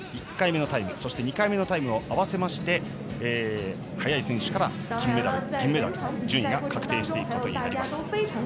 １回目のタイム２回目のタイムを合わせまして早い選手から金メダル、銀メダルと順位が確定していきます。